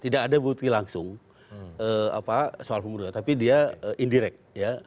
tidak ada bukti langsung soal pembunuhan tapi dia indirect ya